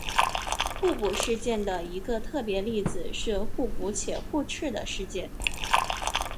互补事件的一个特别例子是互补且互斥的事件。